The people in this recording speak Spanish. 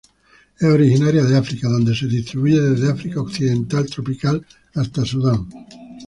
Es originaria de África donde se distribuye desde África occidental tropical hasta Sudán.